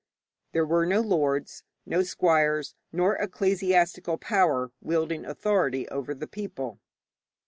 There were no lords, no squires, nor ecclesiastical power wielding authority over the people.